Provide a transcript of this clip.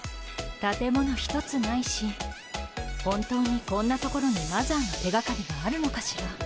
建物一つないし本当にこんな所にマザーの手掛かりがあるのかしら。